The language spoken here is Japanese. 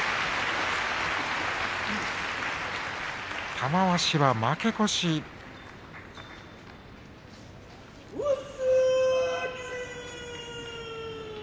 玉鷲は負け越しです。